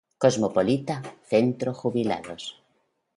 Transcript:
Cosmopolita, Centro Jubilados.